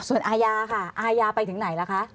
ส่วนอาญาค่ะอาญาไปถึงไหนล่ะคะ